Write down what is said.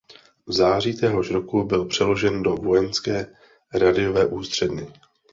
V září téhož roku byl přeložen do Vojenské radiové ústředny.